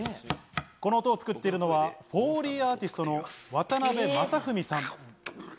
この音を作っているのはフォーリーアーティストの渡邊雅文さん